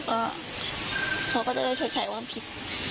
เขาก็จะได้ชดใช้ว่าผิด